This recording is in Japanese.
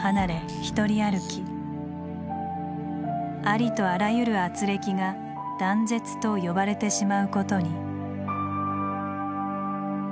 ありとあらゆる軋轢が「断絶」と呼ばれてしまうことに。